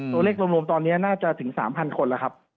ตัวเลขรวมตอนนี้น่าจะถึง๓๐๐คนแล้วครับ